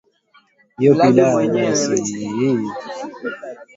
kufinyilia kichwa mahali Magonjwa makuu yanayoangaziwa hapa ni maji kujaa kwenye moyo